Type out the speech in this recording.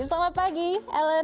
selamat pagi ellen